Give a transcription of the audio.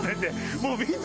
もうみんな